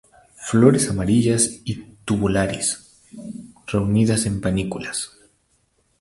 Flores amarillas y tubulares, reunidas en panículas.